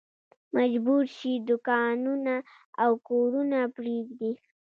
مجبور شي دوکانونه او کورونه پرېږدي.